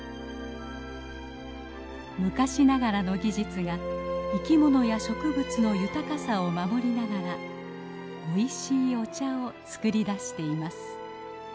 昔ながらの技術が生きものや植物の豊かさを守りながらおいしいお茶を作り出しています。